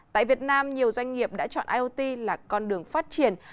tại việt nam nhiều doanh nghiệp đã chọn iot là con đường phát triển